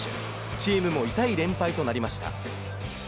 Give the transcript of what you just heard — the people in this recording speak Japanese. チームも痛い連敗となりました。